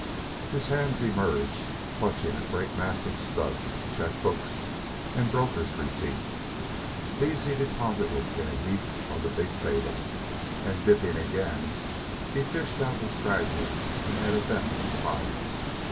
His hands emerged, clutching a great mass of stubs, check books, and broker's receipts. These he deposited in a heap on the big table, and dipping again, he fished out the stragglers and added them to the pile.